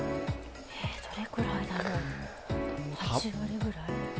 どれぐらいだろう８割ぐらい？